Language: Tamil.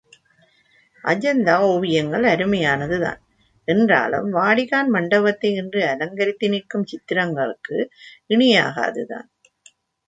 அஜந்தா ஓவியங்கள் அருமையானதுதான் என்றாலும் வாடிகான் மண்டபத்தை இன்று அலங்கரித்து நிற்கும் சித்திரங்களுக்கு இணையாகாதுதான்.